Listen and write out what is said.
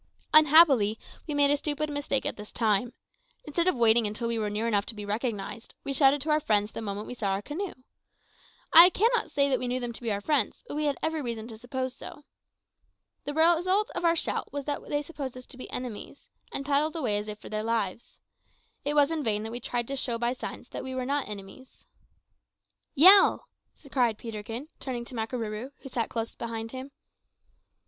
Unhappily we made a stupid mistake at this time. Instead of waiting until we were near enough to be recognised, we shouted to our friends the moment we saw their canoe. I cannot say that we knew them to be our friends, but we had every reason to suppose so. The result of our shout was that they supposed us to be enemies, and paddled away as if for their lives. It was in vain that we tried to show by signs that we were not enemies. "Yell!" cried Peterkin, turning to Makarooroo, who sat close behind him.